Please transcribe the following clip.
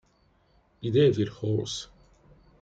The Devil Horse